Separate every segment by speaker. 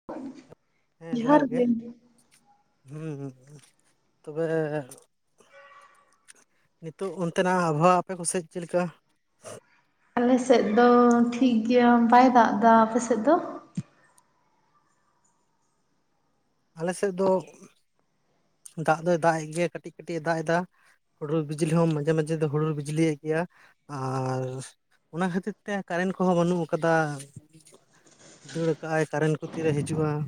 Speaker 1: [unintelligible]
Speaker 2: ᱦᱮᱸ ᱡᱚᱸᱦᱟᱨ ᱜᱮ ᱦᱮᱸ ᱛᱚᱵᱮ ᱱᱤᱛᱳᱜ ᱚᱱᱛᱮᱱᱟᱜ ᱟᱵᱚᱦᱟᱣᱟ ᱟᱯᱮ ᱠᱚᱥᱮᱫ ᱪᱮᱫᱞᱮᱠᱟ?
Speaker 1: ᱟᱞᱮᱥᱮᱫ ᱫᱚ ᱴᱷᱤᱠ ᱜᱮᱭᱟ ᱵᱟᱭ ᱫᱟᱜ ᱮᱫᱟ ᱟᱯᱮᱥᱮᱫ ᱫᱚ
Speaker 2: ᱟᱞᱮᱥᱮᱫ ᱫᱚ ᱫᱟᱜ ᱫᱚᱭ ᱫᱟᱜ ᱮ ᱜᱮᱭᱟ ᱠᱟᱹᱴᱤᱡ ᱠᱟᱹᱴᱤᱡ ᱮ ᱫᱟᱜ ᱮᱫᱟ ᱦᱩᱰᱩᱨ ᱵᱤᱡᱽᱞᱤ ᱦᱚᱸ ᱢᱟᱡᱷᱮ ᱢᱟᱡᱷᱮ ᱫᱚ ᱦᱩᱰᱩᱨ ᱵᱤᱡᱽᱞᱤᱭᱮᱫ ᱜᱮᱭᱟ ᱟᱨ ᱚᱱᱟ ᱠᱷᱟᱹᱛᱤᱨ ᱛᱮ ᱠᱟᱨᱮᱱᱴ ᱠᱚᱦᱚᱸ ᱵᱟᱹᱱᱩᱜ ᱟᱠᱟᱫᱟ ᱫᱟᱹᱲ ᱠᱟᱜᱼᱟᱭ ᱠᱟᱨᱮᱱᱴ ᱠᱚ ᱛᱤᱨᱮ ᱦᱤᱡᱩᱜᱼᱟ ᱟᱨ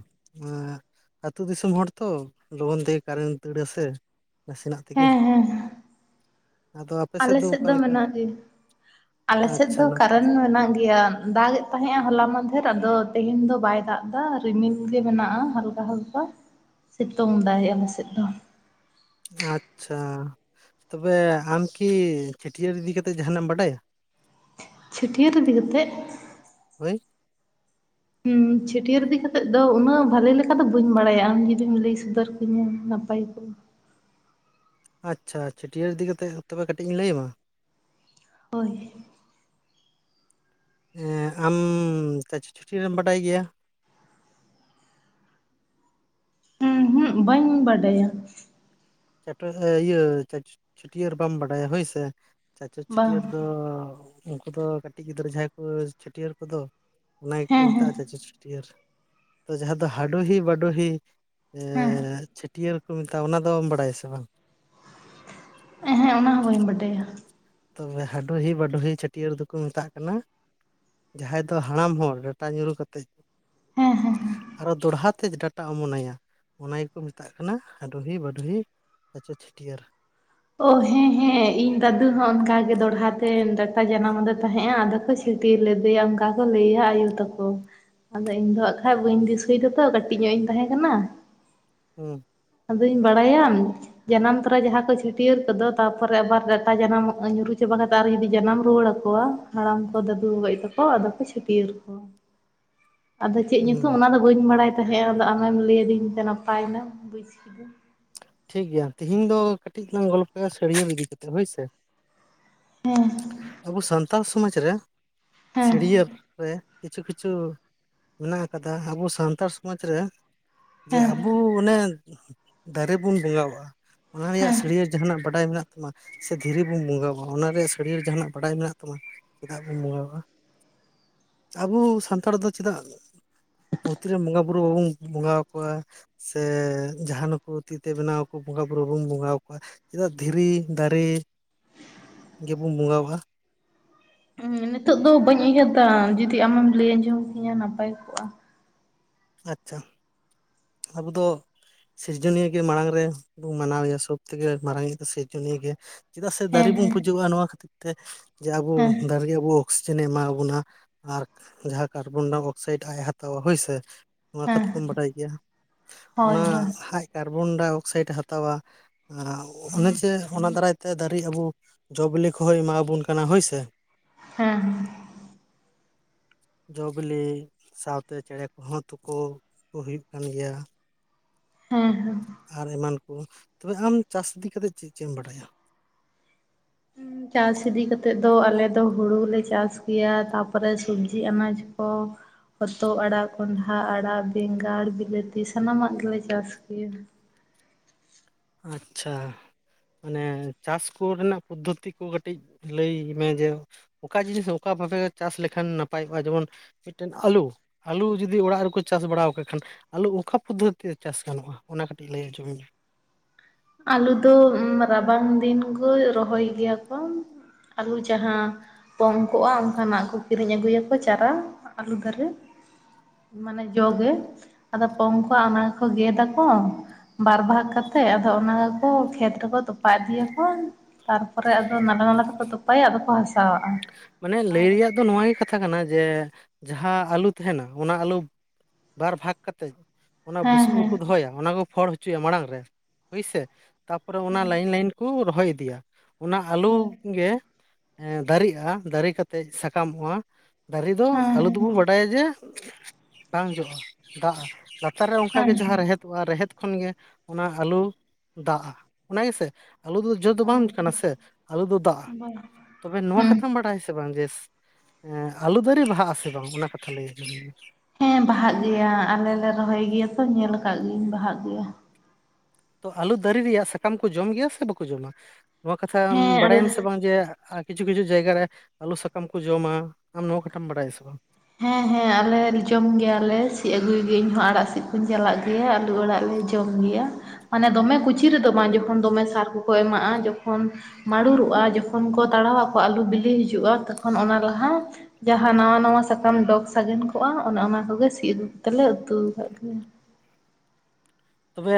Speaker 2: ᱟᱹᱛᱩ ᱫᱤᱥᱚᱢ ᱦᱚᱲ ᱛᱚ ᱞᱚᱜᱚᱱ ᱠᱟᱨᱮᱱ ᱫᱟᱹᱲᱟᱥᱮ ᱱᱟᱥᱮᱱᱟᱜ ᱛᱮᱜᱮ
Speaker 1: ᱦᱮᱸ
Speaker 2: ᱟᱫᱚ
Speaker 1: ᱟᱞ ᱥᱮᱫ ᱫᱚ ᱢᱮᱱᱟᱜ ᱜᱮᱭᱟ ᱟᱞᱮᱥᱮᱫ
Speaker 2: ᱟᱪᱪᱷᱟ
Speaker 1: ᱫᱚ
Speaker 2: ᱱᱟᱯᱟᱭ
Speaker 1: ᱠᱟᱨᱮᱱ ᱢᱮᱱᱟᱜ ᱜᱮᱭᱟ ᱫᱟᱜ ᱛᱟᱦᱮᱸᱼᱟ ᱦᱚᱞᱟ ᱢᱟᱫᱷᱮᱨ ᱟᱫᱚ ᱛᱮᱦᱮᱧ ᱫᱚ ᱵᱟᱭ ᱫᱟᱜ ᱮᱫᱟ ᱨᱤᱢᱤᱞ ᱜᱮ ᱢᱮᱱᱟᱜᱼᱟ ᱦᱟᱞᱠᱟ ᱦᱟᱞᱠᱟ ᱥᱤᱛᱩᱝ ᱫᱟᱭ ᱟᱞᱮ ᱥᱮᱫ ᱫᱚ
Speaker 2: ᱟᱪᱪᱷᱟ ᱛᱚᱵᱮ ᱟᱢ ᱠᱤ ᱪᱷᱟᱹᱴᱭᱟᱹᱨ ᱤᱫᱤ ᱠᱟᱛᱮᱫ ᱡᱟᱦᱟᱱᱟᱜ ᱮᱢ ᱵᱟᱰᱟᱭᱟ?
Speaker 1: ᱪᱷᱟᱹᱴᱭᱟᱹᱨ ᱤᱫᱤ ᱠᱟᱛᱮᱫ
Speaker 2: ᱦᱳᱭ
Speaker 1: ᱦᱩᱸ ᱪᱷᱟᱹᱴᱭᱟᱹᱨ ᱤᱫᱤ ᱠᱟᱛᱮᱜ ᱟᱫᱚ ᱩᱱᱟᱹᱜ ᱵᱷᱟᱞᱮ ᱞᱮᱠᱟ ᱫᱚ ᱵᱟᱹᱧ ᱵᱟᱲᱟᱭᱟ ᱟᱢ ᱡᱩᱫᱤᱢ ᱞᱟᱹᱭ ᱥᱚᱫᱚᱨ ᱠᱚᱣᱧᱟᱹ ᱱᱟᱯᱟᱭ ᱠᱚᱜᱼᱟ
Speaker 2: ᱟᱪᱪᱷᱟ ᱪᱷᱟᱹᱴᱭᱟᱹᱨ ᱤᱫᱤ ᱠᱟᱛᱮᱫ ᱛᱚᱵᱮ ᱠᱟᱹᱴᱤᱡ ᱤᱧ ᱞᱟᱹᱭᱟᱢᱟ
Speaker 1: ᱦᱳᱭ
Speaker 2: ᱦᱸ ᱟᱢ ᱪᱟᱪ ᱪᱷᱩᱴᱤ ᱨᱮᱢ ᱵᱟᱰᱟᱭ ᱜᱮᱭᱟ
Speaker 1: ᱦᱩᱸ ᱦᱩᱸ ᱵᱟᱹᱧ ᱵᱟᱰᱟᱭᱟ
Speaker 2: ᱪᱤᱭᱟᱹ ᱪᱷᱟᱹᱴᱭᱟᱹᱨ ᱵᱟᱢ ᱵᱟᱰᱟᱭᱟ ᱦᱳᱭᱥᱮ ᱪᱟᱪᱚ
Speaker 1: ᱵᱟᱝ
Speaker 2: ᱪᱷᱟᱹᱴᱭᱟᱹᱨ ᱫᱚ ᱩᱱᱠᱩ ᱫᱚ ᱠᱟᱹᱴᱤᱡ ᱜᱤᱫᱽᱨᱟᱹ ᱡᱟᱦᱟᱸᱭ ᱠᱚ ᱪᱷᱟᱹᱴᱭᱟᱹᱨ ᱠᱚᱫᱚ ᱚᱱᱟ ᱜᱮᱠᱚ
Speaker 1: ᱦᱮᱸ ᱦᱮᱸ
Speaker 2: ᱢᱮᱛᱟᱜᱼᱟ ᱪᱟᱪ ᱪᱷᱟᱹᱴᱭᱟᱹᱨ ᱛᱚ ᱡᱟᱦᱟᱸ ᱫᱚ ᱦᱟᱹᱰᱦᱤ ᱵᱟᱹᱰᱳᱦᱤ
Speaker 1: ᱦᱮᱸ
Speaker 2: ᱪᱷᱟᱹᱴᱭᱟᱹᱨ ᱠᱚ ᱢᱮᱛᱟᱜᱼᱟ ᱚᱱᱟ ᱫᱚᱢ ᱵᱟᱰᱟᱭᱟ ᱥᱮ ᱵᱟᱝ
Speaker 1: ᱦᱮᱸ ᱚᱱᱟ ᱦᱚᱸ ᱵᱟᱹᱧ ᱵᱟᱰᱟᱭᱟ
Speaker 2: ᱛᱚᱵᱮ ᱦᱟᱹᱰᱦᱤ ᱵᱟᱰᱳᱦᱤ ᱪᱷᱟᱹᱴᱭᱟᱹᱨ ᱫᱚᱠᱚ ᱢᱮᱛᱟᱜ ᱠᱟᱱᱟ ᱡᱟᱦᱟᱸᱭ ᱫᱚ ᱦᱟᱲᱟᱢ ᱦᱚᱲ ᱰᱟᱴᱟ ᱧᱩᱨᱩ ᱠᱟᱛᱮᱫ
Speaker 1: ᱦᱮᱸ ᱦᱮᱸ ᱦᱮᱸ
Speaker 2: ᱟᱨᱚ ᱫᱚᱦᱟ ᱛᱮ ᱰᱟᱴᱟ ᱚᱢᱚᱱ ᱱᱟᱭᱟ ᱚᱱᱟ ᱜᱮᱠᱚ ᱢᱮᱛᱟᱜ ᱠᱟᱱᱟ ᱦᱟᱹᱰᱩᱦᱤ ᱵᱟᱹᱰᱦᱤ ᱟᱪᱚ ᱪᱷᱟᱹᱴᱭᱟᱹᱨ
Speaker 1: ᱚ ᱦᱮᱸ ᱦᱮᱸ ᱤᱧ ᱫᱟᱫᱩ ᱦᱚᱸ ᱚᱱᱠᱟᱜ ᱜᱮ ᱫᱚᱲᱦᱟ ᱛᱮ ᱡᱟᱱᱟᱢ ᱟᱫᱮ ᱛᱟᱦᱮᱸᱜᱼᱟ ᱟᱫᱚ ᱠᱚ ᱪᱷᱟᱹᱴᱭᱟᱹᱨ ᱞᱮᱫᱮᱭᱟ ᱚᱱᱠᱟ ᱠᱚ ᱞᱟᱹᱭᱟ ᱟᱭᱳ ᱛᱟᱠᱚ ᱟᱫᱚ ᱤᱧ ᱫᱚᱦᱟᱜ ᱠᱷᱟᱡ ᱵᱟᱹᱧ ᱫᱤᱥᱟᱹᱭ ᱫᱟᱛᱚ ᱠᱟᱹᱴᱤᱡ ᱧᱚᱜ ᱤᱧ ᱛᱟᱦᱮᱸ ᱠᱟᱱᱟ
Speaker 2: ᱦᱩᱸ
Speaker 1: ᱟᱫᱚᱧ ᱵᱟᱰᱟᱭᱟᱢ ᱡᱟᱱᱟᱢ ᱛᱚᱨᱟ ᱡᱟᱦᱟᱸ ᱠᱚ ᱪᱷᱟᱹ ᱪᱟᱹᱴᱭᱟᱹᱨ ᱠᱚᱫᱚ ᱛᱟᱨᱯᱚᱨᱮ ᱟᱵᱟᱨ ᱰᱟᱴᱟ ᱡᱟᱱᱟᱢ ᱧᱩᱨᱩ ᱪᱟᱵᱟ ᱠᱟᱛᱮᱫ ᱟᱨ ᱡᱩᱫᱤ ᱡᱟᱱᱟᱢ ᱨᱩᱣᱟᱹᱲ ᱟᱠᱚᱣᱟ ᱦᱟᱲᱟᱢ ᱠᱚ ᱫᱟᱫᱩ ᱵᱟᱵᱟᱭᱩ ᱛᱟᱠᱚ ᱟᱫᱚ ᱠᱚ ᱪᱷᱟᱹᱴᱭᱟᱹᱨ ᱠᱚ ᱟᱫᱚ ᱪᱮᱫ
Speaker 2: ᱦᱩᱸ
Speaker 1: ᱧᱩᱛᱩᱢ ᱚᱱᱟ ᱫᱚ ᱵᱟᱹᱧ ᱵᱟᱰᱟᱭ ᱛᱟᱦᱮᱸᱜᱼᱟ ᱟᱫᱚ ᱟᱢᱮᱢ ᱞᱟᱹᱭᱟᱫᱤᱧ ᱛᱮ ᱱᱟᱯᱟᱭᱱᱟ ᱵᱩᱡᱽ ᱠᱤᱫᱟᱹᱧ
Speaker 2: ᱴᱷᱤᱠ ᱜᱮᱭᱟ ᱛᱤᱦᱤᱧ ᱫᱚ ᱠᱟᱹᱴᱤᱡ ᱞᱟᱝ ᱜᱚᱞᱯᱚᱭᱟ ᱥᱟᱹᱲᱭᱟᱹ ᱤᱫᱤ ᱠᱟᱛᱮ ᱦᱳᱭᱥᱮ
Speaker 1: ᱦᱮᱸ
Speaker 2: ᱟᱵᱚ ᱥᱟᱱᱛᱟᱲ ᱥᱚᱢᱟᱡᱽ ᱨᱮ
Speaker 1: ᱦᱮᱸ
Speaker 2: ᱪᱷᱟᱹᱲᱭᱟᱹ ᱨᱮ ᱠᱤᱪᱷᱩ ᱠᱤᱪᱷᱩ ᱢᱮᱱᱟᱜ ᱟᱠᱟᱫᱟ ᱟᱵᱚ ᱥᱟᱱᱛᱟᱲ ᱥᱚᱢᱟᱡᱽ ᱨᱮ ᱡᱮ
Speaker 1: ᱦᱮᱸ
Speaker 2: ᱟᱵᱚ ᱚᱱᱮ ᱫᱟᱨᱮ ᱵᱚᱱ ᱵᱚᱸᱜᱟᱣᱟᱜᱼᱟ ᱚᱱᱟ ᱨᱮᱭᱟᱜ
Speaker 1: ᱦᱮᱸ
Speaker 2: ᱥᱟᱹᱲᱤᱭᱟᱹᱟᱹ ᱡᱟᱦᱟᱱᱟᱜ ᱵᱟᱰᱟᱭ ᱢᱮᱱᱟᱜ ᱛᱟᱢᱟ ᱥᱮ ᱫᱷᱤᱨᱤ ᱵᱚᱱ ᱵᱚᱸᱜᱣᱟ ᱚᱱᱟ ᱥᱟᱹᱲᱤ ᱡᱟᱦᱟᱱᱟᱜ ᱵᱟᱰᱟᱭ ᱢᱮᱱᱟᱜ ᱛᱟᱢᱟ ᱪᱮᱫᱟᱜ ᱵᱚᱱ ᱵᱚᱸᱜᱟᱣᱟᱜ-ᱟ ᱟᱵᱚ ᱥᱟᱱᱛᱟᱲ ᱫᱚ ᱪᱮᱫᱟᱜ ᱢᱩᱨᱛᱤ ᱨᱮᱱ ᱵᱚᱸᱜᱟ ᱵᱩᱨᱩ ᱵᱟᱵᱚᱱ ᱵᱚᱸᱜᱟ ᱟᱠᱚᱣᱟ ᱥᱮ ᱡᱟᱦᱟᱸ ᱱᱩᱠᱩ ᱛᱤᱛᱮ ᱵᱮᱱᱟᱣ ᱠᱚ ᱵᱚᱸᱜᱟ ᱵᱩᱨᱩ ᱵᱚᱱ ᱵᱚᱸᱜᱟ ᱟᱠᱚᱣᱟ ᱪᱮᱫᱟᱜ ᱫᱷᱤᱨᱤ ᱫᱟᱨᱮ ᱵᱚᱱ ᱵᱚᱸᱜᱟᱜᱣᱟ
Speaker 1: ᱦᱸ ᱱᱤᱛᱚᱜ ᱫᱚ ᱵᱟᱹᱧ ᱩᱭᱦᱟᱹᱨ ᱮᱫᱟ ᱡᱩᱫᱤ ᱟᱢᱮᱢ ᱞᱟᱹᱭ ᱟᱸᱡᱚᱢ ᱠᱤᱧᱟᱹ ᱱᱟᱯᱟᱭ ᱠᱚᱜᱼᱟ
Speaker 2: ᱟᱪᱪᱷᱟ ᱟᱵᱚ ᱫᱚ ᱥᱤᱨᱡᱚᱱᱤᱭᱟᱹ ᱜᱮ ᱢᱟᱲᱟᱝ ᱨᱮᱵᱚᱱ ᱢᱟᱱᱟᱣ ᱮᱭᱟ ᱥᱚᱵ ᱛᱷᱮᱠᱮ ᱢᱟᱨᱟᱝ ᱫᱚ ᱥᱤᱨᱡᱚᱱᱤᱭᱟᱹ ᱜᱮ ᱪᱮᱫᱟᱜ ᱥᱮ
Speaker 1: ᱦᱮᱸ
Speaker 2: ᱫᱟᱨᱤ ᱵᱩᱱ
Speaker 1: ᱦᱮᱸ
Speaker 2: ᱯᱩᱡᱟᱹᱣᱟᱜᱼᱟ ᱱᱚᱣᱟ ᱠᱷᱟᱹᱛᱤᱨ ᱛᱮ ᱡᱮ ᱟᱵᱚ
Speaker 1: ᱦᱮᱸ
Speaker 2: ᱫᱟᱨᱮ ᱜᱮ ᱵᱚ ᱚᱠᱥᱤᱡᱮᱱᱮ ᱮᱢᱟᱣ ᱟᱵᱩᱱᱟ ᱟᱨ ᱡᱟᱦᱟᱸ ᱠᱟᱨᱵᱚᱱᱰᱟᱢ ᱚᱠᱥᱟᱭᱤᱰ ᱟᱡ ᱮ ᱦᱟᱛᱟᱣᱟ ᱦᱳᱭ ᱥᱮ ᱾ ᱱᱚᱣᱟ
Speaker 1: ᱦᱮᱸ
Speaker 2: ᱠᱟᱛᱷᱟ ᱛᱚᱢ ᱵᱟᱰᱟᱭ ᱜᱮᱭᱟ
Speaker 1: ᱦᱳᱭ
Speaker 2: ᱚᱱᱟ
Speaker 1: ᱦᱳᱭ
Speaker 2: ᱦᱟᱡ ᱠᱟᱨᱵᱚᱱᱰᱟ ᱚᱠᱥᱟᱭᱤᱴ ᱮ ᱦᱟᱛᱟᱣᱼᱟ ᱾ ᱟ ᱚᱱᱮ ᱡᱮ ᱚᱱᱟ ᱫᱟᱨᱟᱭ ᱛᱮ ᱫᱟᱨᱤ ᱟᱵᱩ ᱡᱚ-ᱵᱤᱞᱤ ᱠᱚ ᱦᱚᱭ ᱮᱢᱟ ᱟᱵᱩᱱ ᱠᱟᱱᱟ ᱦᱳᱭ ᱥᱮ ᱾
Speaker 1: ᱦᱮᱸ ᱦᱮᱸ ᱾
Speaker 2: ᱡᱚ-ᱵᱮᱞᱮ ᱥᱟᱶᱛᱮ ᱪᱮᱬᱮ ᱠᱚᱦᱚᱸ ᱛᱩᱠᱳ ᱠᱚ ᱦᱩᱭᱩᱜ ᱠᱟᱱ ᱜᱮᱭᱟ ᱾
Speaker 1: ᱦᱩᱸ ᱦᱩᱸ
Speaker 2: ᱟᱨ ᱮᱢᱟᱱᱠᱩ ᱛᱚᱵᱮ ᱟᱢ ᱪᱟᱥ ᱤᱫᱤ‌ ᱠᱟᱛᱮᱫ ᱪᱮᱫ ᱪᱮᱫ ᱮᱢ ᱵᱟᱰᱟᱭᱟ
Speaker 1: ᱪᱟᱥ ᱤᱫᱤ ᱠᱟᱛᱮᱜ ᱫᱚ ᱟᱞᱮ ᱫᱚ ᱦᱩᱲᱩᱞᱮ ᱪᱟᱥ ᱜᱮᱭᱟ ᱛᱟᱨᱯᱚᱨᱮ ᱥᱚᱵᱡᱤ ᱟᱱᱟᱡ ᱠᱚ ᱦᱚᱛᱚ ᱟᱲᱟᱜ ᱠᱚᱸᱰᱷᱟ ᱟᱲᱟᱜ ᱵᱮᱸᱜᱟᱲ ᱵᱤᱞᱟᱹᱛᱤ ᱥᱟᱱᱟᱢᱟᱜ ᱜᱮᱞᱮ ᱪᱟᱥ ᱜᱮᱭᱟ
Speaker 2: ᱟᱪᱪᱷᱟ ᱢᱟᱱᱮ ᱪᱟᱥ ᱠᱚ ᱨᱮᱱᱟᱜ ᱯᱚᱫᱽᱫᱷᱚᱛᱤ ᱠᱚ ᱠᱟᱹᱴᱤᱡ ᱞᱟᱹᱭ ᱢᱮ ᱡᱮ ᱚᱠᱟ ᱡᱤᱱᱤᱥ ᱚᱠᱟ ᱵᱷᱟᱵᱮ ᱪᱟᱥ ᱞᱮᱠᱷᱟᱱ ᱱᱟᱯᱟᱭᱚᱜᱼᱟ ᱡᱮᱢᱚᱱ ᱢᱤᱫᱴᱮᱱ ᱟᱹᱞᱩ ᱟᱹᱞᱩᱣ ᱡᱩᱫᱤ ᱚᱲᱟᱜ ᱨᱮᱠᱚ ᱪᱟᱥ ᱵᱟᱲᱟᱣ ᱠᱟᱜ ᱠᱷᱟᱱ ᱾ ᱟᱞᱩ ᱚᱱᱠᱟ ᱯᱚᱫᱽᱫᱷᱚᱛᱤ ᱪᱟᱥ ᱜᱟᱱᱚᱜᱼᱟ ᱚᱱᱟ ᱠᱟᱹᱴᱤᱡ ᱞᱟᱹᱭ ᱟᱡᱚᱢᱤᱧ ᱢᱮ
Speaker 1: ᱟᱞᱩ ᱫᱚ ᱩᱢ ᱨᱟᱵᱟᱝ ᱫᱤᱱ ᱠᱳ ᱨᱚᱦᱚᱭ ᱜᱮᱭᱟ ᱠᱳ ᱾ ᱟᱹᱞᱩ ᱡᱟᱦᱟ ᱯᱚᱝ ᱠᱚᱼᱟ ᱚᱱᱠᱟᱱᱟᱜ ᱠᱚ ᱠᱤᱨᱤᱧ ᱟᱹᱜᱩᱭᱟ ᱠᱚ ᱪᱟᱨᱟ ᱟᱹᱞᱩ ᱫᱷᱟᱨᱮ ᱾ ᱢᱟᱱᱮ ᱡᱚ ᱜᱮ ᱾ ᱟᱫᱚ ᱯᱚᱝ ᱠᱚᱼᱟ ᱚᱱᱟ ᱜᱮᱠᱚ ᱜᱮᱫᱟ ᱠᱚ ᱵᱟᱨ ᱵᱷᱟᱜ ᱠᱟᱛᱮᱜ ᱾ ᱚᱱᱟ ᱜᱮᱠᱚ ᱠᱷᱮᱛ ᱨᱮᱠᱚ ᱛᱚᱯᱟ ᱤᱫᱤᱭᱟ ᱠᱚ ᱾ ᱛᱟᱨᱯᱚᱨᱮ ᱟᱫᱚ ᱱᱟᱞᱟ-ᱱᱟᱞᱟ ᱛᱮᱠᱚ ᱛᱚᱯᱟᱭᱟ ᱟᱫᱚ ᱠᱚ ᱦᱟᱥᱟᱣᱟᱜᱼᱟ ᱾
Speaker 2: ᱢᱟᱱᱮ ᱞᱟᱹᱭ ᱨᱮᱭᱟ ᱫᱚ ᱱᱚᱣᱟ ᱜᱮ ᱠᱟᱛᱷᱟ ᱠᱟᱱᱟ ᱡᱮ ᱡᱟᱦᱟᱸ ᱟᱹᱞᱩ ᱛᱟᱦᱮᱱᱟ ᱚᱱᱟ ᱟᱞᱩ ᱵᱟᱨ ᱵᱷᱟᱜᱽ ᱠᱟ ᱛᱮᱡ ᱚᱱᱟ
Speaker 1: ᱦᱮᱸ
Speaker 2: ᱵᱩᱥᱩᱵ
Speaker 1: ᱦᱮᱸ
Speaker 2: ᱨᱩᱠᱩ ᱫᱚᱦᱚᱭᱟ ᱚᱱᱟ ᱠᱚ ᱯᱷᱚᱲ ᱦᱚᱪᱚᱭᱟ ᱢᱟᱲᱟᱝ ᱨᱮ ᱦᱳᱭ ᱥᱮ? ᱛᱟᱯᱚᱨᱮ ᱚᱱᱟ
Speaker 1: ᱦᱮᱸ
Speaker 2: ᱞᱟᱭᱤᱱ ᱞᱟᱭᱤᱱ ᱠᱩ ᱨᱚᱦᱚᱭ ᱤᱫᱤᱭᱟ ᱚᱱᱟ ᱟᱹᱞᱩ
Speaker 1: ᱦᱳᱭ
Speaker 2: ᱜᱮ ᱫᱟᱨᱤᱜᱼᱟ ᱾ ᱫᱟᱨᱤ ᱠᱟᱛᱮᱡ ᱥᱟᱠᱟᱢᱚᱜᱼᱟ ᱫᱟᱨᱮ ᱫᱚ
Speaker 1: ᱦᱮᱸ
Speaker 2: ᱟᱹᱞᱩ
Speaker 1: ᱦᱮᱸ
Speaker 2: ᱫᱩᱵᱩ ᱵᱟᱰᱟᱭᱟ ᱡᱮ ᱵᱟᱝ ᱡᱚᱜᱼᱟ ᱫᱟᱜᱼᱟ ᱞᱟᱛᱟᱨ ᱨᱮ ᱚᱱᱠᱟ
Speaker 1: ᱦᱮᱸ
Speaker 2: ᱜᱮ ᱡᱟᱦᱟᱸ ᱨᱮᱦᱮᱫ ᱛᱚ ᱟᱨ ᱨᱮᱦᱮᱫ ᱠᱷᱚᱱ ᱜᱮ ᱚᱱᱟ ᱟᱹᱞᱩ ᱫᱟᱜᱼᱟ, ᱚᱱᱟ ᱜᱮᱥᱮ ᱟᱞᱩ ᱫᱚ ᱡᱚ ᱫᱚ ᱵᱟᱝ ᱠᱟᱱᱟ
Speaker 1: ᱦᱮᱸ
Speaker 2: ᱥᱮ ᱟᱞᱩ ᱫᱚ ᱫᱟᱜᱼᱟ,
Speaker 1: ᱦᱮᱸ
Speaker 2: ᱛᱚᱵᱮ ᱱᱚᱣᱟ
Speaker 1: ᱦᱩᱸ
Speaker 2: ᱠᱷᱟᱹᱛ ᱚᱱᱟ ᱵᱟᱰᱟᱭ ᱥᱮ ᱵᱟᱝ ᱡᱮ ᱮᱸ ᱟᱞᱩ ᱫᱟᱨᱮ ᱵᱟᱦᱟᱜᱼᱟ ᱥᱮ ᱵᱟᱝ? ᱚᱱᱟ ᱠᱟᱛᱷᱟ ᱞᱟᱹᱭ ᱟᱹᱞᱤᱧ ᱚᱢ
Speaker 1: ᱦᱮᱸ ᱵᱟᱦᱟᱜ ᱜᱮᱭᱟ ᱟᱞᱮ ᱞᱮ ᱨᱚᱦᱚᱭ ᱜᱮᱭᱟ ᱛᱚ ᱧᱮᱞ ᱟᱠᱟᱜ ᱜᱤᱭᱟᱹᱧ ᱵᱟᱦᱟᱜ ᱜᱮᱭᱟ ᱾
Speaker 2: ᱛᱚ ᱟᱹᱞᱩ ᱫᱟᱨᱤ ᱨᱮᱭᱟᱜ ᱥᱟᱠᱟᱢ ᱠᱚ ᱡᱚᱢ ᱜᱮᱭᱟ ᱥᱮ ᱵᱟᱠᱩ ᱡᱚᱢᱟ ᱱᱚᱣᱟ ᱠᱟᱛᱷᱟᱢ
Speaker 1: ᱦᱮᱸ
Speaker 2: ᱵᱟᱰᱟᱭ
Speaker 1: ᱟᱞᱮ
Speaker 2: ᱟᱢ ᱥᱮ ᱵᱟᱝ? ᱡᱮ ᱟ ᱠᱤᱪᱷᱩ ᱠᱤᱪᱷᱩ ᱡᱟᱭᱜᱟ ᱨᱮ ᱟᱞᱩ ᱥᱟᱠᱟᱢ ᱠᱚ ᱡᱚᱢᱼᱟ ᱟᱢ ᱱᱚᱣᱟ ᱠᱟᱛᱷᱟᱢ ᱵᱟᱰᱟᱭᱟ ᱥᱮ ᱵᱟᱝ?
Speaker 1: ᱦᱮᱸ-ᱦᱮᱸ, ᱟᱞᱮ ᱡᱚᱢ ᱜᱮᱭᱟ ᱞᱮ ᱥᱤᱜ ᱟᱹᱜᱩᱭ ᱜᱤᱭᱟᱹᱧ ᱤᱧ ᱦᱚᱸ ᱟᱲᱟᱜ ᱥᱤᱜ ᱠᱩᱧ ᱪᱟᱞᱟᱜ ᱜᱮᱭᱟ ᱟᱞᱩ ᱚᱲᱟᱜ ᱡᱚ ᱡᱚᱢ ᱜᱮᱭᱟ ᱢᱟᱱᱮ ᱫᱚᱢᱮ ᱠᱩᱪᱤ ᱨᱮᱫᱚ ᱵᱟᱝ, ᱡᱚᱠᱷᱚᱱ ᱫᱚᱢᱮ ᱥᱟᱨ ᱠᱚᱠᱚ ᱮᱢᱟᱜᱼᱟ ᱡᱚᱠᱷᱚᱱ ᱢᱟᱹᱲᱩᱨᱚᱜᱼᱟ ᱡᱚᱠᱷᱚᱱ ᱠᱚ ᱛᱟᱲᱟᱣ ᱟᱠᱚ ᱟᱹᱞᱩ ᱵᱤᱞᱤ ᱦᱤᱡᱩᱜᱼᱟ ᱛᱚᱠᱷᱚᱱ ᱚᱱᱟ ᱞᱟᱦᱟ ᱾ ᱡᱟᱦᱟᱸ ᱱᱟᱣᱟ ᱱᱟᱣᱟ ᱥᱟᱠᱟᱢ ᱰᱚᱜᱽ ᱥᱟᱜᱮᱱ ᱠᱚᱜᱼᱟ ᱚᱱᱮ ᱚᱱᱟ ᱠᱚ ᱜᱮ ᱥᱤᱫ ᱟᱹᱜᱩ ᱠᱟᱛᱮ ᱞᱮ ᱩᱛᱩ ᱠᱟᱜ ᱜᱮᱭᱟ ᱾
Speaker 2: ᱛᱚᱵᱮ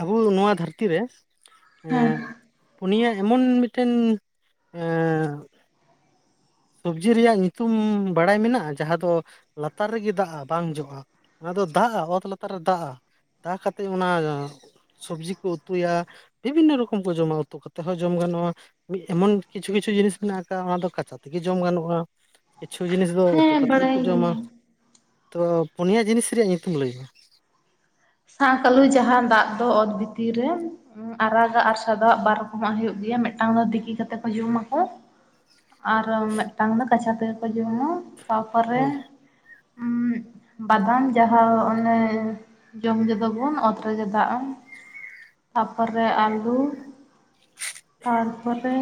Speaker 2: ᱟᱵᱩ ᱱᱚᱣᱟ ᱫᱷᱟᱹᱨᱛᱤ ᱨᱮ
Speaker 1: ᱦᱮᱸ
Speaker 2: ᱮᱸ ᱯᱩᱱᱭᱟᱹ ᱮᱢᱚᱱ ᱢᱤᱫᱴᱮᱱ ᱮᱸ ᱥᱚᱵᱽᱡᱤ ᱨᱮᱭᱟᱜ ᱧᱩᱛᱩᱢ ᱵᱟᱲᱟᱭ ᱢᱮᱱᱟᱜᱼᱟ ᱡᱟᱦᱟᱸ ᱫᱚ ᱞᱟᱛᱟᱨ ᱨᱮᱜᱮ ᱫᱟᱜᱼᱟ ᱵᱟᱝ ᱡᱚᱜᱼᱟ? ᱚᱱᱟ ᱫᱚ ᱫᱟᱜᱼᱟ, ᱚᱛ ᱞᱟᱛᱟᱨ ᱨᱮ ᱫᱟᱜᱼᱟ, ᱫᱟ ᱠᱟᱛᱮ ᱚᱱᱟ ᱥᱚᱵᱡᱤ ᱠᱩ ᱩᱛᱩᱭᱟ ᱾ ᱵᱤᱵᱷᱤᱱᱱᱚ ᱨᱚᱠᱚᱢ ᱠᱚ ᱡᱚᱢᱟ ᱩᱛᱩ ᱠᱟᱛᱮ ᱦᱚᱸ ᱡᱚᱢ ᱜᱟᱱᱚᱜᱼᱟ, ᱢᱤ-ᱮᱢᱚᱱ ᱠᱤᱪᱷᱩ ᱠᱤᱪᱷᱩ ᱡᱤᱱᱤᱥ ᱢᱮᱱᱟᱜ ᱟᱠᱟᱜᱼᱟ ᱚᱱᱟ ᱫᱚ ᱠᱟᱪᱟ ᱛᱤᱜᱤ ᱡᱚᱢ ᱜᱟᱱᱚᱜᱼᱟ, ᱠᱤᱪᱷᱩ ᱡᱤᱱᱤᱥ ᱫᱚ ᱩᱛᱩ
Speaker 1: ᱦᱮᱸ
Speaker 2: ᱠᱟᱛᱮᱜ ᱜᱮᱠᱚ
Speaker 1: ᱵᱟᱲᱟᱭ
Speaker 2: ᱡᱚᱢᱟ ᱾
Speaker 1: ᱜᱤᱭᱟᱹᱧ
Speaker 2: ᱛᱚ ᱯᱩᱱᱭᱟ ᱡᱤᱱᱤᱥ ᱨᱮᱭᱟᱜ ᱧᱩᱛᱩᱢ ᱞᱟᱹᱭ ᱢᱮ?
Speaker 1: ᱥᱸᱟᱠ ᱟᱹᱞᱩ ᱡᱟᱦᱟᱸ ᱫᱟᱜᱽ ᱫᱚ ᱚᱛ ᱵᱷᱤᱛᱤᱨ ᱨᱮ ᱾ ᱩᱸ ᱟᱨᱟᱜᱟᱜ ᱟᱨ ᱥᱟᱫᱟᱣᱟᱜ ᱵᱟᱨ ᱨᱚᱠᱚᱢᱟᱜ ᱦᱩᱭᱩᱜ ᱜᱮᱭᱟ ᱢᱤᱫᱴᱟᱝ ᱫᱚ ᱛᱤᱠᱤ ᱠᱟᱛᱮ ᱠᱚ ᱡᱚᱢᱟ ᱠᱚ ᱾ ᱟᱨᱚ ᱢᱮᱜᱴᱟᱝ ᱫᱚ ᱠᱟᱪᱟ ᱛᱮᱜᱮ ᱠᱚ ᱡᱚᱢᱟ ᱾ ᱛᱟᱯᱚᱨᱮ
Speaker 2: ᱦᱳᱭ
Speaker 1: ᱩᱢ ᱵᱟᱫᱟᱢ ᱡᱟᱦᱟᱸ ᱚᱱᱮ ᱡᱚᱢ ᱜᱮᱫᱚ ᱵᱚᱱ ᱚᱛ ᱨᱮᱜᱮ ᱫᱟᱜᱼᱟ, ᱛᱟᱯᱚᱨᱮ ᱟᱹᱞᱩ ᱾ ᱛᱟᱨᱯᱚᱨᱮ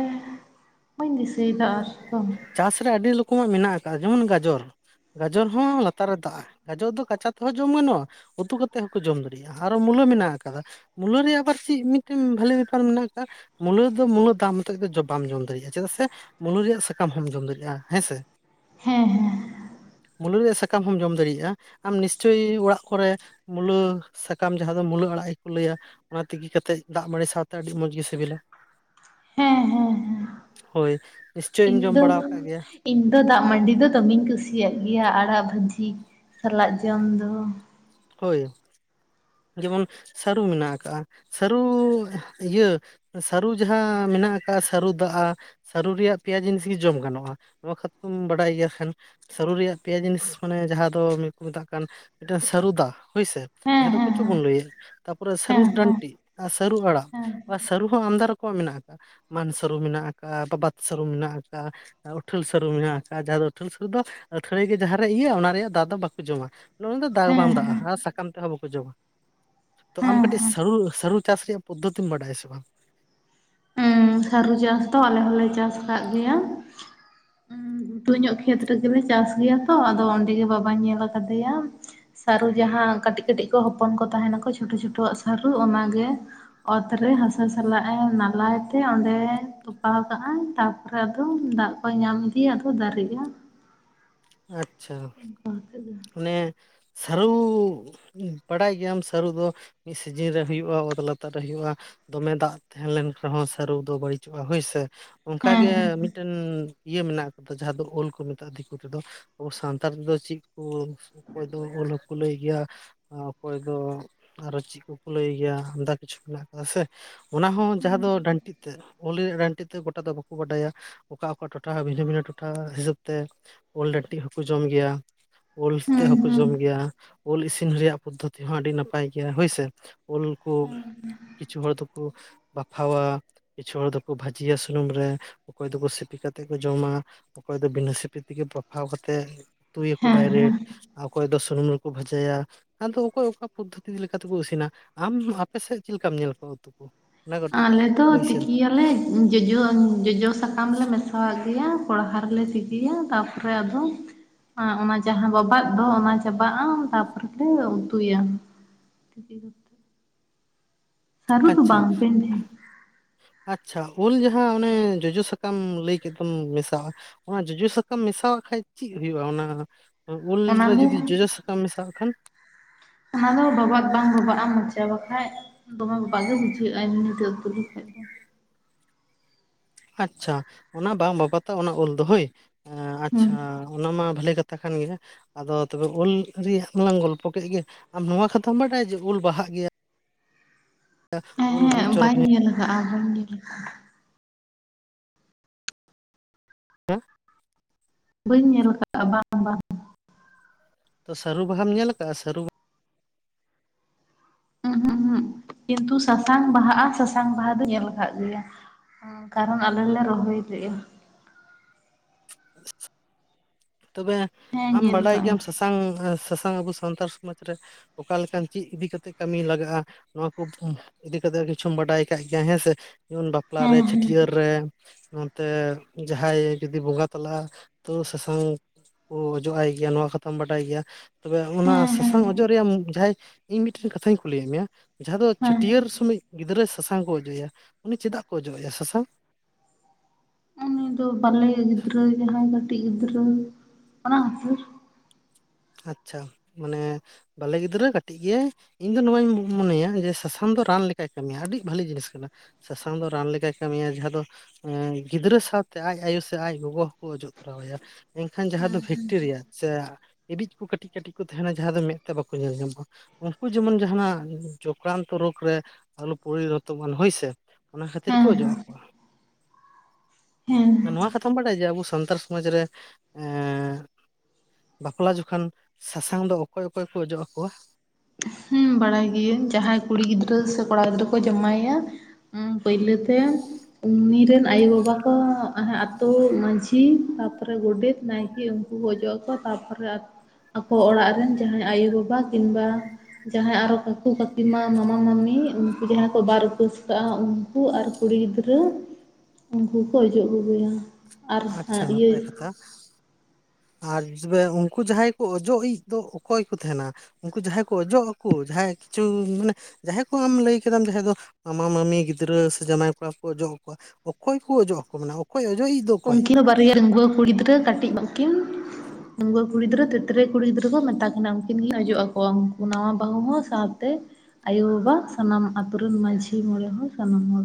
Speaker 1: ᱵᱟᱹᱧ ᱫᱤᱥᱟᱹᱭ ᱫᱟ ᱟᱨ ᱠᱚ ᱾
Speaker 2: ᱪᱟᱥ ᱨᱮ ᱟᱹᱰᱤ ᱨᱚᱠᱚᱢᱟᱜ ᱢᱮᱱᱟᱜ ᱟᱠᱟᱫᱼᱟ ᱡᱮᱢᱚᱱ ᱜᱟᱡᱚᱨ ᱜᱟᱡᱚᱨ ᱦᱚᱸ ᱞᱟᱛᱟᱨ ᱨᱮ ᱫᱟᱜᱼᱟ᱾ ᱜᱟᱡᱚᱨ ᱫᱚ ᱠᱟᱪᱟ ᱛᱮᱦᱚᱸ ᱡᱚᱢ ᱜᱟᱱᱚᱜᱼᱟ ᱩᱛᱩ ᱠᱟᱛᱮᱫ ᱦᱚᱸ ᱠᱚ ᱡᱚᱢ ᱫᱟᱲᱮᱭᱟᱜᱼᱟ ᱟᱨᱦᱚᱸ ᱢᱩᱞᱟᱹ ᱢᱮᱱᱟᱜ ᱟᱠᱟᱫᱟ ᱢᱩᱞᱟᱹ ᱨᱮᱭᱟᱜ ᱟᱵᱟᱨ ᱪᱮᱫ ᱢᱤᱫᱴᱮᱱ ᱵᱷᱟᱹᱞᱤ ᱵᱮᱯᱟᱨ ᱢᱮᱱᱟᱜ ᱟᱠᱟᱫᱼᱟ ᱢᱩᱞᱟᱹ ᱫᱚ ᱢᱩᱞᱟᱹ ᱫᱟᱢᱛᱮᱫ ᱫᱚ ᱵᱟᱢ ᱡᱚᱢ ᱫᱟᱲᱮᱭᱟᱜᱼᱟ ᱪᱮᱫᱟᱜ ᱥᱮ ᱢᱩᱞᱟᱹ ᱨᱮᱭᱟᱜ ᱥᱟᱠᱟᱢ ᱦᱚᱸᱢ ᱡᱚᱢ ᱫᱟᱨᱤᱜᱼᱟ ᱦᱮᱸ ᱥᱮ?
Speaker 1: ᱦᱮᱸ-ᱦᱮᱸ ᱾
Speaker 2: ᱢᱩᱨᱩ ᱮ ᱥᱟᱠᱟᱢ ᱦᱚᱢ ᱡᱚᱢ ᱫᱟᱲᱤᱭᱟᱜᱼᱟ ᱟᱢ ᱱᱤᱥᱪᱳᱭ ᱚᱲᱟᱜ ᱠᱚᱨᱮ ᱢᱩᱞᱟᱹ ᱥᱟᱠᱟᱢ ᱡᱟᱦᱟᱸ ᱫᱚ ᱢᱩᱞᱟᱹ ᱟᱲᱟᱜ ᱮᱠᱚ ᱞᱟᱹᱭᱟ ᱾ ᱚᱱᱟ ᱛᱤᱠᱤ ᱠᱟᱛᱮᱫ ᱫᱟᱜ ᱢᱟᱹᱰᱤ ᱥᱟᱶᱛᱮ ᱟᱹᱰᱤ ᱢᱚᱸᱡᱽ ᱜᱮ ᱥᱤᱵᱤᱞᱟ
Speaker 1: ᱦᱮᱸ ᱦᱮᱸ ᱦᱮᱸ
Speaker 2: ᱦᱚᱭ
Speaker 1: ᱤᱧ ᱫᱚ ᱤᱧ ᱫᱚ ᱫᱟᱜ ᱢᱟᱹᱰᱤ ᱫᱚ ᱫᱚᱢᱮᱹᱧ ᱠᱩᱥᱤᱭᱟᱜ ᱜᱮᱭᱟ ᱟᱲᱟᱜ ᱵᱷᱟᱹᱡᱤ ᱥᱟᱞᱟᱜ ᱡᱚᱢ ᱫᱚ
Speaker 2: ᱦᱚᱭ ᱡᱮᱢᱚᱱ ᱥᱟᱹᱨᱩ ᱢᱮᱱᱟᱜ ᱟᱠᱟᱜᱼᱟ ᱥᱟᱹᱨᱩ ᱤᱭᱟᱹ ᱥᱟᱹᱨᱩ ᱡᱟᱦᱟᱸ ᱢᱮᱱᱟᱜ ᱟᱠᱟᱜᱼᱟ ᱥᱟᱹᱨᱩ ᱫᱟᱜᱼᱟ ᱥᱟᱹᱨᱩ ᱨᱮᱭᱟᱜ ᱯᱮᱭᱟ ᱡᱤᱱᱤᱥ ᱜᱮ ᱡᱚᱢ ᱜᱟᱱᱚᱜᱼᱟ ᱱᱚᱣᱟ ᱠᱟ [unintelligible] ᱵᱟᱰᱟᱭ ᱜᱮᱭᱟ ᱠᱷᱟᱱ ᱥᱟᱹᱨᱩ ᱨᱮᱭᱟᱜ ᱯᱮᱭᱟ ᱡᱤᱱᱤᱥ ᱢᱟᱱᱮ ᱡᱟᱦᱟᱸ ᱫᱚ ᱢᱤᱫ ᱠᱚ ᱢᱮᱛᱟᱜ ᱠᱟᱱ ᱢᱤᱫᱴᱟᱹᱱ ᱥᱟᱹᱨᱩ ᱫᱟ ᱦᱚᱭᱥᱮ
Speaker 1: ᱦᱮᱸ
Speaker 2: ᱡᱟᱦᱟᱸ ᱫᱚ
Speaker 1: ᱦᱮᱸ
Speaker 2: ᱠᱚᱪᱚ ᱵᱚᱱ ᱞᱟᱹᱭᱟ, ᱛᱟᱯᱚᱨᱮ ᱥᱟᱹᱨᱩ
Speaker 1: ᱦᱮᱸ ᱦᱮᱸ ᱦᱮᱸ ᱦᱮᱸ
Speaker 2: ᱰᱟᱹᱱᱴᱤ ᱥᱟᱹᱨᱩ ᱟᱲᱟᱜ ᱥᱟᱹᱨᱩ ᱦᱚᱸ ᱟᱢᱫᱟ ᱨᱚᱠᱚᱢᱟᱜ ᱢᱮᱱᱟᱜ ᱟᱠᱟᱜᱼᱟ ᱢᱟᱱ ᱥᱟᱹᱨᱩ ᱢᱮᱱᱟᱜ ᱟᱠᱟᱜᱼᱟ ᱵᱟᱵᱟᱛ ᱥᱟᱹᱨᱩ ᱢᱮᱱᱟᱜ ᱟᱠᱟᱜᱼᱟ᱾ ᱟᱨ ᱩᱴᱷᱟᱹᱞ ᱥᱟᱹᱨᱩ ᱢᱮᱱᱟᱜ ᱟᱠᱟᱜᱼᱟ ᱡᱟᱦᱟᱸ ᱫᱚ ᱩᱴᱷᱟᱹᱞ ᱥᱟᱹᱨᱩ ᱫᱚ ᱟᱹᱛᱷᱟᱹᱲᱤ ᱜᱮ ᱡᱟᱦᱟᱸ ᱨᱮ ᱤᱭᱟᱹᱜᱼᱟ ᱚᱱᱟ ᱨᱮᱭᱟᱜ ᱫᱟ ᱫᱚ ᱵᱟᱠᱚ ᱡᱚᱢᱟ ᱱᱚᱣᱟ ᱫᱚ ᱫᱟ
Speaker 1: ᱦᱮᱸ
Speaker 2: ᱵᱟᱝ ᱫᱟᱜᱼᱟ
Speaker 1: ᱦᱮᱸ
Speaker 2: ᱟᱨ [unintelligible] ᱛᱮᱦᱚᱸ ᱵᱟᱠᱚ ᱡᱚᱢᱟ ᱛᱚ ᱟᱢ
Speaker 1: ᱦᱮᱸ
Speaker 2: ᱠᱟᱹᱴᱤᱡ ᱥᱟᱹᱨᱩ ᱥᱟᱹᱨᱩ ᱪᱟᱥ ᱨᱮᱭᱟᱜ ᱯᱚᱫᱽᱫᱷᱚᱛᱤᱢ ᱵᱟᱰᱟᱭᱟ ᱥᱮ ᱵᱟᱝ
Speaker 1: ᱦᱮᱸ ᱥᱟᱹᱨᱩ ᱪᱟᱥ ᱫᱚ ᱟᱞᱮ ᱦᱚᱸᱞᱮ ᱪᱟᱥ ᱟᱠᱟᱫ ᱜᱮᱭᱟ [unintelligible] ᱧᱚᱜ ᱠᱷᱮᱛ ᱨᱮᱜᱮᱞᱮ ᱪᱟᱥ ᱜᱮᱭᱟ ᱛᱚ ᱟᱫᱚ ᱚᱸᱰᱮ ᱜᱮ ᱵᱟᱵᱟᱧ ᱧᱮᱞ ᱟᱠᱟᱫ ᱫᱮᱭᱟ᱾ ᱥᱟᱹᱨᱩ ᱡᱟᱦᱟᱸ ᱠᱟᱹᱴᱤᱡ ᱠᱟᱹᱴᱤᱡ ᱠᱚ ᱦᱚᱯᱚᱱ ᱠᱚ ᱛᱟᱦᱮᱱᱟ ᱠᱚ ᱪᱷᱩᱴᱩ ᱪᱷᱩᱴᱩᱣᱟᱜ ᱥᱟᱹᱨᱩ ᱚᱱᱟᱜᱮ ᱚᱛ ᱨᱮ ᱦᱟᱥᱟ ᱥᱟᱞᱟᱜ ᱮ ᱱᱟᱞᱟᱭ ᱚᱸᱰᱮ ᱛᱚᱯᱟ ᱟᱠᱟᱜᱼᱟᱭ ᱛᱟᱨᱯᱚᱨᱮ ᱟᱫᱚ ᱫᱟᱜ ᱠᱚᱭ ᱧᱟᱢ ᱤᱫᱤᱭᱟ ᱟᱫᱚ ᱫᱟᱨᱮᱜᱼᱟ᱾
Speaker 2: ᱟᱪᱪᱷᱟ
Speaker 1: ᱚᱱᱠᱟ ᱠᱟᱛᱮᱫ ᱜᱮ
Speaker 2: ᱢᱟᱱᱮ ᱥᱟᱹᱨᱩᱻ ᱵᱟᱰᱟᱭ ᱜᱮᱭᱟᱢ ᱥᱟᱹᱨᱩ ᱫᱚ ᱢᱤᱫ ᱥᱤᱡᱤᱱ ᱨᱮ ᱦᱩᱭᱩᱜᱼᱟ ᱚᱛ ᱞᱟᱛᱟᱨ ᱨᱮ ᱦᱩᱭᱩᱜᱼᱟ᱾ ᱫᱚᱢᱮ ᱫᱟᱜ ᱛᱟᱦᱮᱸ ᱞᱮᱱ ᱨᱮᱦᱚᱸ ᱥᱟᱹᱨᱩ ᱫᱚ ᱵᱟᱹᱲᱤᱡᱚᱜᱼᱟ ᱦᱚᱭ ᱥᱮ ᱚᱱᱠᱟ
Speaker 1: ᱦᱮᱸ
Speaker 2: ᱜᱮ
Speaker 1: ᱦᱮᱸ
Speaker 2: ᱢᱤᱫᱴᱮᱱ ᱤᱭᱟᱹ ᱢᱮᱱᱟᱜ ᱟᱠᱟᱫᱟ ᱡᱟᱦᱟᱸ ᱫᱚ ᱚᱞ ᱠᱚ ᱢᱮᱛᱟᱜᱼᱟ ᱫᱤᱠᱩ ᱟᱵᱚ ᱥᱟᱱᱛᱟᱲ ᱛᱮᱫᱚ ᱪᱮᱫ ᱠᱚ ᱚᱠᱚᱭ ᱫᱚ ᱚᱞᱚᱜ ᱞᱟᱹᱭ ᱜᱮᱭᱟ ᱚᱠᱚᱭ ᱫᱚ ᱟᱨᱦᱚᱸ ᱪᱮᱫ ᱠᱚᱠᱚ ᱞᱟᱹᱭ ᱜᱮᱭᱟ ᱟᱢᱫᱟ ᱠᱤᱪᱷᱩ ᱢᱮᱱᱟᱜ ᱠᱚᱜᱼᱟ ᱥᱮ ᱚᱱᱟ ᱦᱚᱸ ᱡᱟᱦᱟᱸ ᱫᱚ ᱰᱟᱹᱱᱴᱤᱫ ᱛᱮᱫ ᱩᱞ ᱰᱟᱹᱱᱴᱤ [unintelligible] ᱛᱮ ᱜᱚᱴᱟ ᱫᱚ ᱵᱟᱠᱚ ᱵᱟᱰᱟᱭᱟ ᱚᱠᱟ ᱚᱠᱟ ᱴᱚᱴᱷᱟ ᱵᱷᱤᱱᱟᱹ-ᱵᱷᱤᱱᱟᱹ ᱴᱚᱴᱷᱟ ᱦᱤᱥᱟᱹᱵ ᱛᱮ ᱩᱞ ᱞᱟᱹᱴᱤ ᱦᱚᱸᱠᱚ ᱡᱚᱢ ᱜᱮᱭᱟ ᱩᱞ ᱛᱮᱜ
Speaker 1: ᱦᱩᱸ
Speaker 2: ᱦᱚᱸᱠᱚ
Speaker 1: ᱦᱩᱸ
Speaker 2: ᱡᱚᱢ ᱜᱮᱭᱟ ᱩᱞ ᱤᱥᱤᱱ ᱨᱮᱭᱟᱜ ᱯᱚᱫᱽᱫᱷᱚᱛᱤ ᱦᱚᱸ ᱟᱹᱰᱤ ᱱᱟᱯᱟᱭ ᱜᱮᱭᱟ ᱦᱚᱭ ᱥᱮ ᱚᱞ ᱠᱚ ᱠᱤᱪᱷᱩ ᱦᱚᱲ ᱫᱚᱠᱚ ᱵᱟᱯᱷᱟᱣᱟ ᱠᱤᱪᱷᱩ ᱦᱚᱲ ᱫᱚᱠᱚ ᱵᱷᱟᱹᱡᱤᱭᱟ ᱥᱩᱱᱩᱢ ᱨᱮ ᱚᱠᱚᱭ ᱫᱚᱠᱚ ᱥᱤᱯᱤ ᱠᱟᱛᱮ ᱠᱚ ᱡᱚᱢᱟ ᱚᱠᱚᱭ ᱫᱚ ᱵᱤᱱᱟᱹ ᱥᱤᱯᱤ ᱛᱮᱜᱮ ᱵᱟᱯᱷᱟᱣ ᱠᱟᱛᱮᱫ ᱩᱛᱩᱭᱟᱠᱚ
Speaker 1: ᱦᱮᱸ ᱦᱮᱸ
Speaker 2: ᱰᱟᱭᱨᱮᱠᱴ ᱚᱠᱚᱭ ᱫᱚ ᱥᱩᱱᱩᱢ ᱨᱮᱠᱚ ᱵᱷᱟᱡᱟᱭᱟ ᱟᱫᱚ ᱚᱠᱚᱭ ᱚᱠᱟ ᱯᱚᱫᱽᱫᱷᱚᱛᱤ ᱞᱮᱠᱟᱛᱮᱠᱚ ᱤᱥᱤᱱᱟ ᱟᱢ ᱟᱯᱮ ᱥᱮᱫ ᱪᱮᱫ ᱞᱮᱠᱟᱢ ᱧᱮᱞ ᱠᱚᱣᱟ ᱩᱛᱩ ᱠᱚ ᱚᱱᱟ ᱠᱟᱹᱴᱤᱡ
Speaker 1: ᱟᱞᱮ ᱫᱚ
Speaker 2: ᱞᱟᱹᱭ ᱥᱮ
Speaker 1: ᱛᱤᱠᱤᱭᱟᱞᱮ ᱡᱚᱡᱚ ᱡᱚᱡᱚ ᱥᱟᱠᱟᱢ ᱞᱮ ᱢᱮᱥᱟᱣᱟᱜ ᱜᱮᱭᱟ ᱠᱚᱲᱦᱟ ᱨᱮᱞᱮ ᱥᱤᱯᱤᱭᱟ ᱛᱟᱨᱯᱚᱨᱮ ᱟᱫᱚ ᱚᱱᱟ ᱡᱟᱦᱟᱸ ᱵᱟᱵᱟᱫ ᱫᱚ ᱚᱱᱟ ᱪᱟᱵᱟᱜᱼᱟ ᱛᱟᱨᱯᱚᱨᱮ ᱞᱮ ᱩᱛᱩᱭᱟ [unintelligible] ᱥᱟᱹᱨᱩ ᱫᱚ
Speaker 2: ᱟᱪᱪᱷᱟ
Speaker 1: ᱵᱟᱝ ᱯᱮᱸᱰᱮ
Speaker 2: ᱟᱪᱪᱷᱟ ᱩᱞ ᱡᱟᱦᱟᱸ ᱚᱱᱮ ᱡᱚᱡᱚ ᱥᱟᱠᱟᱢ ᱞᱟᱹᱭ ᱠᱮᱫ ᱫᱚᱢ ᱢᱮᱥᱟᱜᱼᱟ ᱚᱱᱟ ᱡᱚᱡᱚ ᱥᱟᱠᱟᱢ ᱢᱮᱥᱟᱣᱟᱜ ᱠᱷᱟᱡ ᱪᱮᱫ ᱦᱩᱭᱩᱜᱼᱟ ᱚᱱᱟ ᱩᱞ
Speaker 1: ᱚᱱᱟ
Speaker 2: ᱨᱮ
Speaker 1: ᱫᱚ
Speaker 2: ᱡᱩᱫᱤ ᱡᱚᱡᱚ ᱥᱟᱠᱟᱢ ᱢᱮᱥᱟᱣᱟᱜ ᱠᱷᱟᱱ
Speaker 1: ᱚᱱᱟ ᱫᱚ ᱵᱟᱵᱟᱫ ᱵᱟᱝ ᱵᱟᱵᱟᱫ ᱟ ᱢᱚᱪᱟ ᱵᱟᱠᱷᱟᱡ ᱫᱚᱢᱮ ᱵᱟᱵᱟᱫ ᱜᱮ ᱵᱩᱡᱷᱟᱹᱜᱼᱟ ᱮᱢᱱᱤ ᱛᱮ ᱩᱛᱩ ᱞᱮᱠᱷᱟᱡ ᱫᱚ
Speaker 2: ᱟᱪᱪᱷᱟ ᱚᱱᱟ ᱵᱟᱝ ᱵᱟᱵᱟᱫ ᱟ ᱚᱱᱟ ᱩᱞ ᱫᱚ ᱦᱳᱭ
Speaker 1: ᱦᱩᱸ
Speaker 2: ᱟᱪᱪᱷᱟ ᱚᱱᱟ ᱢᱟ ᱵᱷᱟᱞᱮ ᱠᱟᱛᱷᱟ ᱠᱟᱱ ᱜᱮᱭᱟ ᱟᱫᱚ ᱛᱚᱵᱮ ᱩᱞ ᱨᱮᱭᱟᱜ ᱞᱟᱝ ᱜᱚᱞᱯᱚ ᱠᱮᱫ ᱜᱮ ᱟᱢ ᱱᱚᱣᱟ ᱠᱟᱛᱷᱟᱢ ᱵᱟᱰᱟᱭᱟ ᱡᱮ ᱩᱞ ᱵᱟᱦᱟᱜ ᱜᱮᱭᱟ
Speaker 1: ᱦᱮᱸ
Speaker 2: ᱩᱞ ᱵᱟᱹᱱᱩᱜ
Speaker 1: ᱦᱮᱸ
Speaker 2: ᱪᱚᱨᱚᱠ
Speaker 1: ᱵᱟᱹᱧ ᱧᱮᱞ ᱠᱟᱜᱼᱟ ᱵᱟᱹᱧ ᱧᱮᱞ ᱠᱟᱜ
Speaker 2: ᱦᱮᱸ
Speaker 1: ᱵᱟᱹᱧ ᱧᱮᱞ ᱠᱟᱜᱼᱟ ᱵᱟᱝ ᱵᱟᱝ
Speaker 2: ᱛᱚ ᱥᱟᱹᱨᱩ ᱵᱟᱦᱟᱢ ᱧᱮᱞ ᱠᱟᱜᱼᱟ ᱥᱟᱹᱨᱩ
Speaker 1: ᱩᱦᱩᱸ ᱦᱩᱸ ᱦᱩᱸ ᱠᱤᱱᱛᱩ ᱥᱟᱥᱟᱝ ᱵᱟᱦᱟᱜᱼᱟ ᱥᱟᱥᱟᱝ ᱵᱟᱦᱟ ᱫᱚ ᱧᱮᱞ ᱠᱟᱜ ᱜᱮᱭᱟ ᱦᱩᱸ ᱠᱟᱨᱚᱱ ᱟᱞᱮ ᱞᱮ ᱨᱚᱦᱚᱭ ᱞᱮᱜᱼᱟ
Speaker 2: ᱛᱚᱵᱮ
Speaker 1: ᱦᱮᱸ
Speaker 2: ᱟᱢ
Speaker 1: ᱧᱮᱞ
Speaker 2: ᱵᱟᱰᱟᱭ
Speaker 1: ᱠᱟᱜᱼᱟᱹᱧ
Speaker 2: ᱜᱮᱭᱟᱢ ᱥᱟᱥᱟᱝ ᱥᱟᱥᱟᱝ ᱟᱵᱚ ᱥᱟᱱᱛᱟᱲ ᱥᱚᱢᱟᱡᱽ ᱨᱮ ᱚᱠᱟ ᱞᱮᱠᱟᱱ ᱪᱤᱜ ᱤᱫᱤᱠᱟᱛᱮ ᱠᱟᱹᱢᱤ ᱞᱟᱜᱟ ᱟ ᱱᱚᱣᱟ ᱠᱚ ᱤᱫᱤ ᱠᱟᱛᱮᱜ ᱠᱤᱪᱷᱩᱢ ᱵᱟᱰᱟᱭ ᱠᱟᱜ ᱜᱮᱭᱟ ᱦᱮᱸ ᱥᱮ ᱡᱮᱢᱚᱱ ᱵᱟᱯᱞᱟ
Speaker 1: ᱦᱮᱸ
Speaker 2: ᱨᱮ
Speaker 1: ᱦᱮᱸ
Speaker 2: ᱪᱷᱟᱹᱴᱭᱟᱹᱨ ᱨᱮ ᱱᱚᱛᱮ ᱡᱟᱦᱟᱸᱭ ᱡᱩᱫᱤ ᱵᱚᱸᱜᱟ ᱛᱟᱞᱟᱜᱼᱟ ᱛᱚ ᱥᱟᱥᱟᱝ ᱚᱡᱚᱜ ᱟᱭ ᱜᱮᱭᱟ ᱱᱚᱣᱟ ᱠᱟᱛᱷᱟᱢ ᱵᱟᱰᱟᱭ ᱜᱮᱭᱟ ᱛᱚᱵᱮ ᱚᱱᱟ
Speaker 1: ᱦᱮᱸ
Speaker 2: ᱥᱟᱥᱟᱝ ᱚᱡᱚᱜ ᱨᱮᱭᱟᱜ ᱡᱟᱦᱟᱸᱭ ᱤᱧ ᱢᱤᱫᱴᱮᱱ ᱠᱟᱛᱷᱟᱧ ᱠᱩᱞᱤᱭᱮᱫ ᱢᱮᱭᱟ ᱡᱟᱦᱟᱸ ᱫᱚ
Speaker 1: ᱦᱮᱸ ᱦᱮᱸ
Speaker 2: ᱪᱷᱟᱹᱴᱭᱟᱹᱨ ᱥᱚᱢᱚᱭ ᱜᱤᱫᱽᱨᱟᱹ ᱥᱟᱥᱟᱝ ᱠᱚ ᱚᱡᱚᱜ ᱮᱭᱟ ᱩᱱᱤ ᱪᱮᱫᱟᱜ ᱠᱚ ᱚᱡᱚᱜ ᱟᱭᱟ ᱥᱟᱥᱟᱝ
Speaker 1: ᱩᱱᱤ ᱫᱚ ᱵᱟᱞᱮ ᱜᱤᱫᱽᱨᱟᱹ ᱡᱟᱦᱟᱸᱭ ᱠᱟᱹᱴᱤᱡ ᱜᱤᱫᱽᱨᱟᱹ ᱚᱱᱟ ᱦᱳᱨ
Speaker 2: ᱟᱪᱪᱷᱟ ᱢᱟᱱᱮ ᱵᱟᱞᱮ ᱜᱤᱫᱽᱨᱟᱹ ᱠᱟᱹᱴᱤᱡ ᱜᱮᱭᱟᱭ ᱤᱧ ᱫᱚ ᱱᱚᱣᱟᱧ ᱢᱚᱱᱮᱭᱟ ᱡᱮ ᱥᱟᱥᱟᱝ ᱫᱚ ᱨᱟᱱ ᱞᱮᱠᱟᱭ ᱠᱟᱹᱢᱤᱭᱟ ᱟᱹᱰᱤ ᱵᱷᱟᱞᱮ ᱡᱤᱱᱤᱥ ᱠᱟᱱᱟ ᱥᱟᱥᱟᱝ ᱫᱚ ᱨᱟᱱ ᱞᱮᱠᱟᱭ ᱠᱟᱹᱢᱤᱭᱟ ᱡᱟᱦᱟᱸ ᱫᱚ ᱮᱸ ᱜᱤᱫᱽᱨᱟᱹ ᱥᱟᱶᱛᱮ ᱟᱡ ᱟᱭᱳ ᱥᱮ ᱟᱡ ᱜᱚᱜᱚ ᱦᱚᱸᱠᱚ ᱚᱡᱚᱜ ᱛᱚᱨᱟᱣ ᱟᱭᱟ ᱮᱱᱠᱷᱟᱱ ᱡᱟᱦᱟᱸ
Speaker 1: ᱦᱮᱸ
Speaker 2: ᱫᱚ ᱵᱷᱮᱠᱴᱮᱨᱤᱭᱟ ᱥᱮ ᱟᱹᱵᱤᱡ ᱠᱚ ᱠᱟᱹᱴᱤᱡ ᱠᱟᱹᱴᱤᱡ ᱠᱚ ᱛᱟᱸᱦᱮᱱᱟ ᱡᱟᱦᱟᱸ ᱫᱚ ᱢᱮᱫ ᱛᱮ ᱵᱟᱠᱚ ᱧᱮᱞ ᱧᱟᱢᱚᱜᱼᱟ ᱩᱱᱠᱩ ᱡᱮᱢᱚᱱ ᱡᱟᱦᱱᱟᱜ ᱪᱚᱠᱨᱟᱱᱛᱚ ᱨᱳᱜᱽ ᱨᱮ ᱟᱞᱚ ᱯᱚᱨᱤᱱᱚᱛᱚᱢᱟᱜ ᱦᱳᱭᱥᱮ ᱚᱱᱟ ᱠᱷᱟᱹᱛᱤᱨ ᱠᱚ
Speaker 1: ᱦᱮᱸ ᱦᱮᱸ
Speaker 2: ᱚᱡᱚᱜ ᱟᱠᱚᱣᱟ
Speaker 1: ᱦᱮᱸ
Speaker 2: ᱱᱚᱣᱟ ᱠᱟᱛᱷᱟᱢ ᱵᱟᱰᱟᱭᱟ ᱡᱮ ᱟᱵᱚ ᱥᱟᱱᱛᱟᱲ ᱥᱚᱢᱟᱡᱽ ᱨᱮ ᱮ ᱦᱚᱞᱟ ᱡᱚᱠᱷᱚᱱ ᱥᱟᱥᱟᱝ ᱫᱚ ᱚᱠᱚᱭ ᱚᱠᱚᱭ ᱠᱚ ᱚᱡᱚᱜ ᱟᱠᱚᱣᱟ
Speaker 1: ᱦᱚᱸ ᱵᱟᱲᱟᱭ ᱜᱤᱭᱟᱹᱧ ᱡᱟᱦᱟᱸᱭ ᱠᱩᱲᱤ ᱜᱤᱫᱽᱨᱟᱹ ᱥᱮ ᱠᱚᱲᱟ ᱜᱤᱫᱽᱨᱟᱹ ᱠᱚ ᱡᱟᱢᱟᱭ ᱮᱭᱟ ᱯᱳᱭᱞᱳ ᱛᱮ ᱩᱱᱤ ᱨᱮᱱ ᱟᱭᱳ ᱵᱟᱵᱟ ᱠᱚ ᱟᱛᱳ ᱢᱟᱺᱡᱷᱤ ᱛᱟᱯᱚᱨᱮ ᱜᱚᱰᱮᱛ ᱱᱟᱭᱠᱮ ᱩᱱᱠᱩ ᱠᱚ ᱚᱡᱚᱜ ᱟᱠᱚᱣᱟ ᱛᱟᱯᱚᱨᱮ ᱟᱠᱚ ᱚᱲᱟᱜ ᱨᱮᱱ ᱡᱟᱦᱟᱸᱭ ᱟᱭᱳ ᱵᱟᱵᱟ ᱠᱤᱝᱵᱟ ᱡᱟᱦᱟᱸᱭ ᱟᱨᱚ ᱠᱟᱠᱩ ᱠᱟᱹᱠᱤ ᱢᱟᱢᱟ ᱢᱟᱢᱤ ᱩᱱᱠᱩ ᱡᱟᱦᱟᱸᱭ ᱠᱚ ᱵᱟᱭ ᱨᱩᱯᱟᱹᱥ ᱠᱟᱜᱼᱟ ᱩᱱ ᱩᱱᱠᱩ ᱟᱨ ᱠᱩᱲᱤ ᱜᱤᱫᱽᱨᱟᱹ ᱩᱱᱠᱩ ᱠᱚ ᱚᱡᱚᱜ ᱟᱹᱜᱩᱭᱟ ᱟᱨ
Speaker 2: ᱟᱪᱪᱷᱟ
Speaker 1: ᱤᱭᱟᱹ
Speaker 2: ᱱᱟᱯᱟᱭ ᱠᱟᱛᱷᱟ ᱟᱨ ᱛᱚᱰᱮ ᱩᱱᱠᱩ ᱡᱟᱸᱦᱟᱭ ᱢᱩᱪᱟᱹᱫ ᱨᱤᱱ ᱫᱚ ᱚᱠᱚᱭ ᱠᱚ ᱛᱟᱸᱦᱮᱱᱟ ᱩᱱᱠᱩ ᱡᱟᱦᱟᱸᱟᱭ ᱠᱚ ᱚᱡᱚᱜ ᱟᱠᱚ ᱡᱟᱦᱟᱸᱭ ᱠᱤᱪᱷᱩ ᱢᱟᱱᱮ ᱡᱟᱦᱟᱸᱭ ᱠᱚ ᱟᱢ ᱞᱟᱹᱭ ᱠᱮᱫᱟᱢ ᱡᱟᱦᱟᱸᱭ ᱫᱚ ᱢᱟᱢᱟ ᱢᱟᱹᱢᱤ ᱜᱤᱫᱽᱨᱟᱹ ᱥᱮ ᱡᱟᱢᱟᱭ ᱠᱚᱲᱟ ᱠᱚ ᱚᱡᱚᱜ ᱟᱠᱚᱣᱟ ᱚᱠᱚᱭ ᱠᱚ ᱚᱡᱚᱜ ᱟᱠᱚ ᱠᱟᱱᱟ ᱢᱟᱱᱮ ᱚᱠᱚᱭ ᱚᱡᱚᱜᱤᱡ ᱫᱚ ᱚᱠᱚᱭ
Speaker 1: ᱩᱱᱠᱤᱱ ᱫᱚ ᱵᱟᱨᱭᱟ ᱨᱮᱱ ᱰᱟᱺᱜᱩᱣᱟᱹ ᱠᱩᱲᱤ ᱜᱤᱫᱽᱨᱟᱹ ᱠᱟᱹᱴᱤᱡ ᱢᱟᱠᱤᱱ ᱩᱱᱠᱩ ᱠᱩᱲᱤ ᱜᱤᱫᱽᱨᱟᱹ ᱛᱮᱛᱨᱮ ᱠᱩᱲᱤ ᱰᱟᱺᱜᱩᱣᱟ. ᱠᱩᱲᱤ ᱜᱤᱫᱽᱨᱟ. ᱛᱮᱛᱨᱮ ᱜᱤᱫᱽᱨᱟᱹ ᱠᱚ ᱢᱮᱛᱟ ᱠᱤᱱᱟ ᱩᱱᱠᱤᱱ ᱜᱮᱠᱤᱱ ᱚᱡᱚᱜ ᱟᱠᱚᱣᱟ ᱩᱱᱠᱩ ᱱᱟᱣᱟ ᱵᱟᱹᱦᱩ ᱦᱚᱸ ᱥᱟᱶᱛᱮ ᱟᱭᱳᱼᱵᱟᱵᱟ ᱥᱟᱱᱟᱢ ᱟ. ᱛᱩ ᱨᱮᱱ ᱢᱟᱺᱡᱷᱤ ᱢᱚᱬᱮᱸ ᱦᱚᱸ ᱥᱟᱱᱟᱢ ᱦᱚᱲ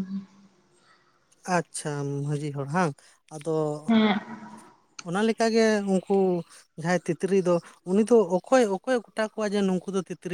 Speaker 2: ᱟᱪᱪᱷᱟ ᱢᱟᱺᱡᱷᱤ ᱦᱚᱲ ᱵᱟᱝ ᱟᱫᱚ
Speaker 1: ᱦᱮᱸ
Speaker 2: ᱚᱱᱟ ᱞᱮᱠᱟ ᱜᱮ ᱩᱱᱠᱩ ᱡᱟᱦᱟᱸᱭ ᱛᱤᱛᱨᱤ ᱫᱚ ᱩᱱᱤ ᱫᱚ ᱚᱠᱚᱭ ᱚᱠᱚᱭᱮ ᱢᱮᱛᱟ ᱠᱚᱣᱟ ᱡᱮ ᱱᱩᱠᱩ ᱫᱚ ᱛᱤᱛᱨᱤ